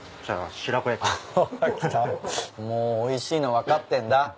もうおいしいの分かってんだ。